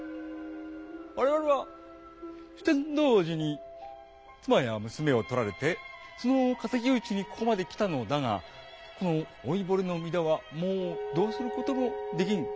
「我々は酒呑童子に妻や娘をとられてその敵討ちにここまで来たのだがこの老いぼれの身ではもうどうすることもできん。